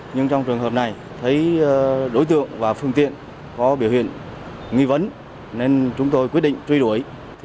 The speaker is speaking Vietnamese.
nhưng trong trường hợp này thấy đối tượng và phương tiện có biểu hiện nghi vấn nên chúng tôi quyết định truy đuổi